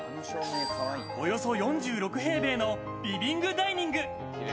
およそ４６平米のリビングダイニング。